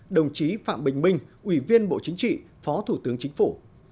đồng chí phạm bình minh ủy viên bộ chính trị phó thủ tướng chính phủ